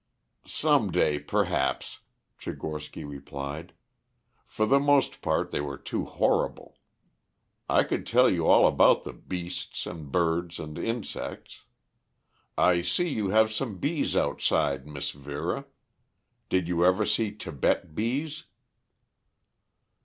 "Some day, perhaps," Tchigorsky replied. "For the most part they were too horrible. I could tell you all about the beasts and birds and insects. I see you have some bees outside, Miss Vera. Did you ever see Tibet bees?"